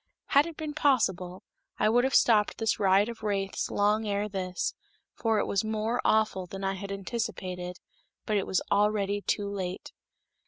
Had it been possible, I would have stopped this riot of wraiths long ere this, for it was more awful than I had anticipated, but it was already too late.